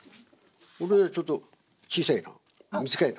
俺ちょっと小さいな短いな。